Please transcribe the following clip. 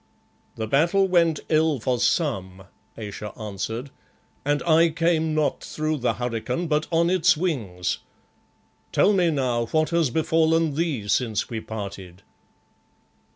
"The battle went ill for some," Ayesha answered, "and I came not through the hurricane, but on its wings. Tell me now, what has befallen thee since we parted?"